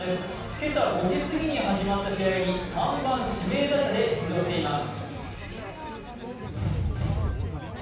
今朝５時すぎに始まった試合に３番・指名打者で出場しています。